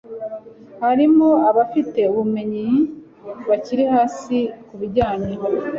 harimo abafite ubumenyi bukiri hasi ku bijyanye